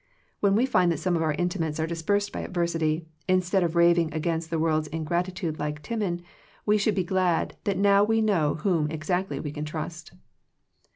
When we find that some of our intimates are dispersed by adversity, instead of raving against the world's in gratitude like Timon, we should be glad that now we know whom exactly we can trust.